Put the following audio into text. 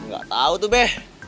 ga tau tuh be